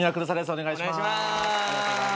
お願いします。